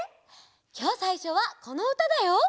きょうさいしょはこのうただよ。